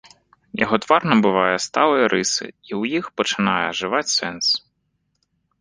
Яго твар набывае сталыя рысы, і ў іх пачынае ажываць сэнс.